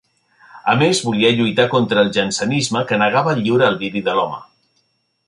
A més, volia lluitar contra el jansenisme, que negava el lliure albiri de l'home.